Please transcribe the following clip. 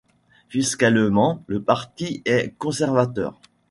Fiscalement, le parti est conservateur.